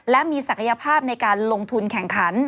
และมีศักยภาพในการลงทุนแข่งขัน